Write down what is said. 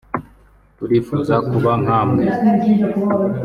turifuza kuba nka mwe